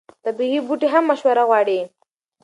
طبیعي بوټي هم مشوره غواړي.